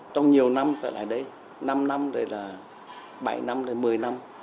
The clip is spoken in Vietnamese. trong nhiều năm lại ở đây năm năm rồi là bảy năm rồi một mươi năm